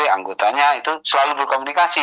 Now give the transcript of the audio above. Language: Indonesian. anggotanya itu selalu berkomunikasi